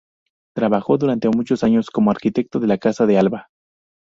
Trabajó durante muchos años como arquitecto de la Casa de Alba.